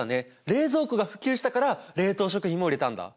冷蔵庫が普及したから冷凍食品も売れたんだ！